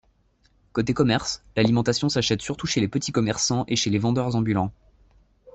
Côté commerce, l'alimentation s'achète surtout chez les petits commerçants et chez les vendeurs ambulants.